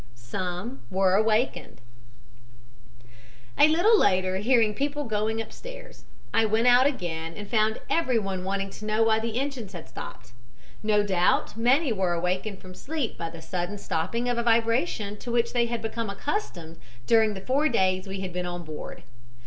SOME WERE AWAKENED "A little later, hearing people going upstairs, I went out again and found everyone wanting to know why the engines had stopped. No doubt many were awakened from sleep by the sudden stopping of a vibration to which they had become accustomed during the four days we had been on board.